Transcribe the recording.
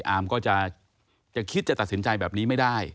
อามก็จะคิดจะตัดสินใจแบบนี้ไม่ได้